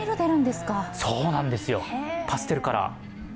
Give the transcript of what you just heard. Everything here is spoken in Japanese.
そうなんですよ、パステルカラー。